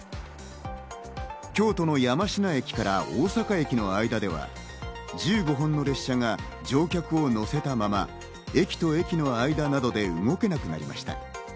京都の山科駅から大阪駅の間では１５本の列車が乗客を乗せたまま駅と駅の間などで動けなくなりました。